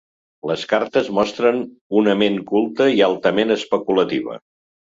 Les cartes mostren una ment culta i altament especulativa.